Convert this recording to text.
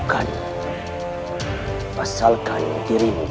akan selalu bersamamu